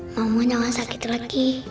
mama jangan sakit lagi